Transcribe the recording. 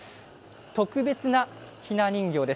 特別なひな人形です。